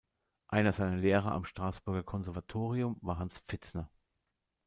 Einer seiner Lehrer am Straßburger Konservatorium war Hans Pfitzner.